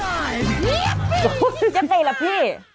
ก็พูดอย่างเงยแหละพี่